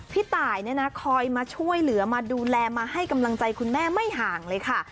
พี่ตายเนี่ยนะคอยมาช่วยเหลือมาดูแลมาให้กำลังใจคุณแม่ไม่ห่างเลยค่ะ